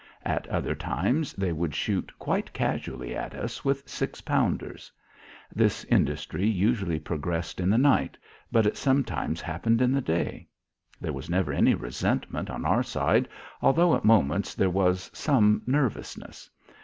At other times, they would shoot quite casually at us with six pounders. This industry usually progressed in the night, but it sometimes happened in the day. There was never any resentment on our side, although at moments there was some nervousness.